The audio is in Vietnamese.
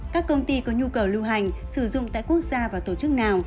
các công ty có nhu cầu lưu hành sử dụng tại quốc gia và tổ chức nào